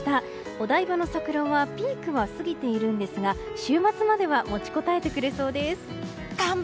お台場の桜はピークは過ぎているんですが週末までは持ちこたえてくれそうです。